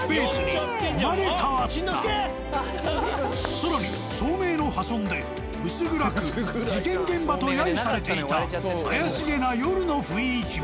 更に照明の破損で薄暗く事件現場と揶揄されていた怪しげな夜の雰囲気も。